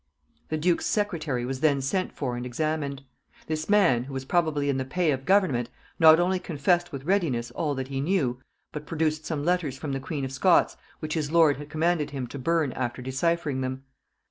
The duke's secretary was then sent for and examined. This man, who was probably in the pay of government, not only confessed with readiness all that he knew, but produced some letters from the queen of Scots which his lord had commanded him to burn after decyphering them.